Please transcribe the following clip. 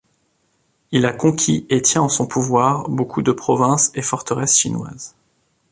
Il a conquis et tient en son pouvoir beaucoup de provinces et forteresses chinoises.